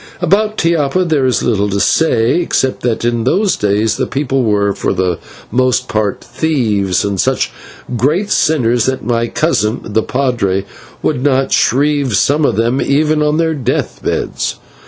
About Tiapa there is little to say, except that in those days the people were for the most part thieves, and such great sinners that my cousin, the /padre/ would not shrive some of them, even on their death beds.